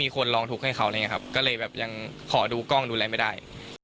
ขอดูกล้องดูแลไม่ได้